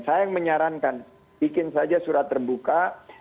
saya yang menyarankan bikin saja surat terbuka